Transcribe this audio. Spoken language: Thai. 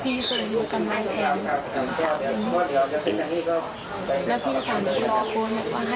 พี่สาวหนูกำลังแทนอืมแล้วพี่สาวหนูกำลังบอกว่า